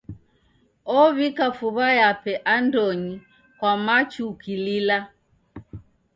Owika fuw'a yape andonyi kwa machu ukilila.